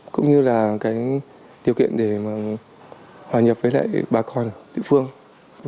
cũng như là cái điều kiện để mà hòa nhập với lại bà con địa phương